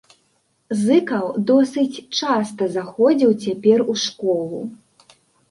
Зыкаў досыць часта заходзіў цяпер у школу.